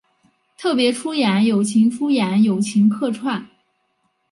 特别出演友情出演友情客串